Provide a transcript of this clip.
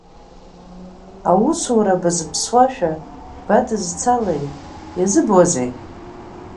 Аусура базԥсуашәа, бадызцалеи, иазыбуазеи!